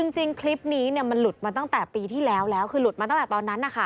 จริงคลิปนี้มันหลุดมาตั้งแต่ปีที่แล้วแล้วคือหลุดมาตั้งแต่ตอนนั้นนะคะ